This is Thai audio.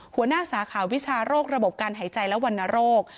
หัวหน้าสาขาวิชาโรคระบบการหายใจและวันนโรค